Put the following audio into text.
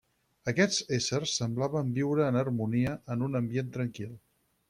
Aquests éssers semblaven viure en harmonia, en un ambient tranquil.